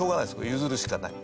譲るしかない。